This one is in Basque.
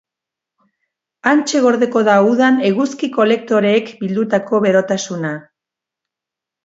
Hantxe gordeko da udan eguzki-kolektoreek bildutako berotasuna.